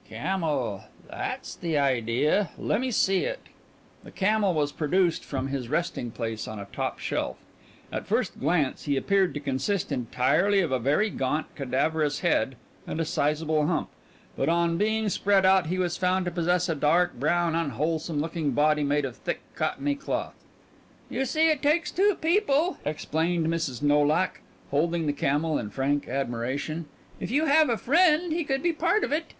"Camel. That's the idea. Lemme see it." The camel was produced from his resting place on a top shelf. At first glance he appeared to consist entirely of a very gaunt, cadaverous head and a sizable hump, but on being spread out he was found to possess a dark brown, unwholesome looking body made of thick, cottony cloth. "You see it takes two people," explained Mrs. Nolak, holding the camel in frank admiration. "If you have a friend he could be part of it.